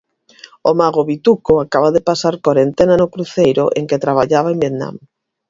O mago Vituco acaba de pasar corentena no cruceiro en que traballaba en Vietnam.